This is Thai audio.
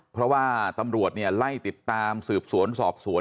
เพราะว่าตำรวจไล่ติดตามสืบสวนสอบสวน